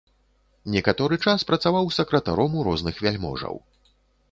Некаторы час працаваў сакратаром у розных вяльможаў.